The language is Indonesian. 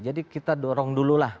jadi kita dorong dulu lah